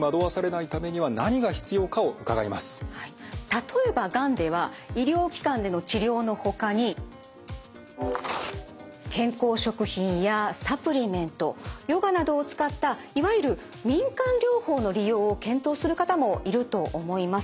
例えばがんでは医療機関での治療のほかに健康食品やサプリメントヨガなどを使ったいわゆる民間療法の利用を検討する方もいると思います。